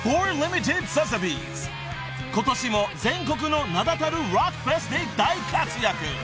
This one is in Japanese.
［ことしも全国の名だたるロックフェスで大活躍］